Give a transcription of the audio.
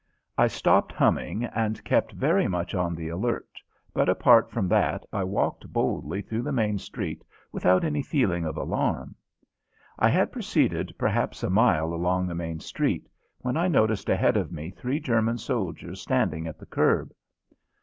I stopped humming and kept very much on the alert, but, apart from that, I walked boldly through the main street without any feeling of alarm. I had proceeded perhaps a mile along the main street when I noticed ahead of me three German soldiers standing at the curb.